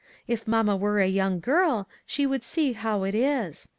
If mamma were a young girl, she would see how it is.